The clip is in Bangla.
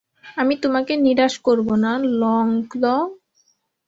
আমি তোমাকে নিরাশ করব না, লংক্ল।